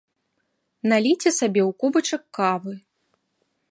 Наліце сабе ў кубачак кавы